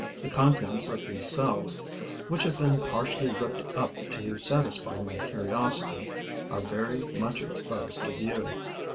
The contents of these cells, which have been partially ripped up to satisfy my curiosity, are very much exposed to view.